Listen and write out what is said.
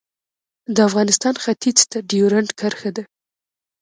د افغانستان ختیځ ته ډیورنډ کرښه ده